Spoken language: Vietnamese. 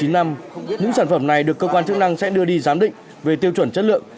những sản phẩm này được cơ quan chức năng sẽ đưa đi giám định về tiêu chuẩn chất lượng